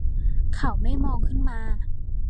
เขาไม่มองขึ้นมา